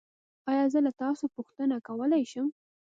ایا زه له تاسو پوښتنه کولی شم؟